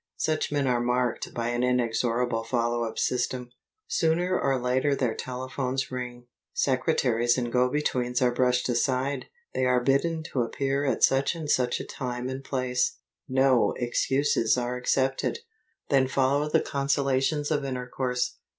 Such men are marked by an inexorable follow up system. Sooner or later their telephones ring; secretaries and go betweens are brushed aside; they are bidden to appear at such and such a time and place; no excuses are accepted. Then follow the Consolations of Intercourse.